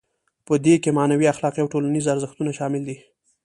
په دې کې معنوي، اخلاقي او ټولنیز ارزښتونه شامل دي.